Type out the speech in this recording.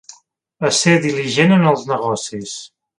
Ésser diligent en els negocis.